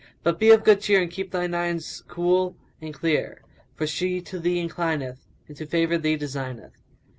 But be of good cheer and keep thine eyes cool and clear;[FN#177] for she to thee inclineth and to favour thee designeth."